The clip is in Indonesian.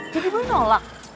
jadi gue nolak